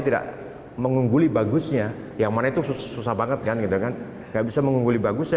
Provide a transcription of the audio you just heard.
tidak mengungguli bagusnya yang mana itu susah banget kan gitu kan nggak bisa mengungguli bagus